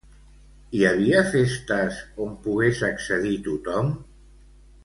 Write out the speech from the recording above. Hi havia festes on pogués accedir tothom?